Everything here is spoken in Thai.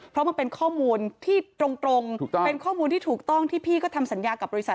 เพราะมันเป็นข้อมูลที่ตรงถูกต้องเป็นข้อมูลที่ถูกต้องที่พี่ก็ทำสัญญากับบริษัท